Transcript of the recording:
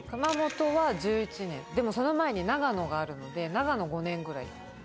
でもその前に、長野があるので、長野５年ぐらい。